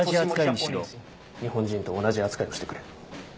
日本人と同じ扱いをしてくれ。